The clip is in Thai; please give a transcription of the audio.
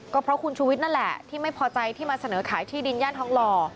ก็เพราะคุณชูวิทย์นั่นแหละที่ไม่พอใจที่มาเสนอขายที่ดินย่านทองหล่อ